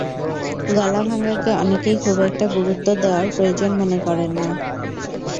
গলা ভাঙাকে অনেকেই খুব একটা গুরুত্ব দেওয়ার প্রয়োজন মনে করেন না।